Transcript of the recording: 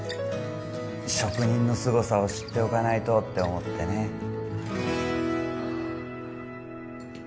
職人のすごさを知っておかないとって思ってねはあ